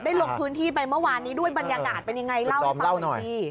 ลงพื้นที่ไปเมื่อวานนี้ด้วยบรรยากาศเป็นยังไงเล่าให้ฟังอีกที